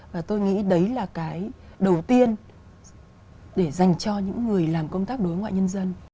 và tôi nghĩ đấy là cái đầu tiên để dành cho những người làm công tác đối ngoại nhân dân